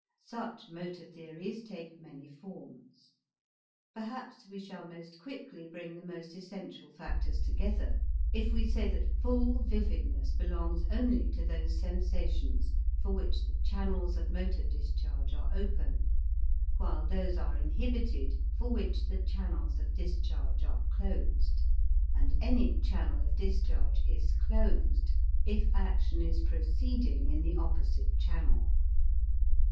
Such motor theories take many forms. Perhaps we shall most quickly bring the most essential factors together, if we say that full vividness belongs only to those sensations for which the channels of motor discharge are open, while those are inhibited for which the channels of discharge are closed; and any channel of discharge is closed, if action is proceeding in the opposite channel.